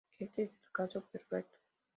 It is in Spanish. Este es el caso perfecto.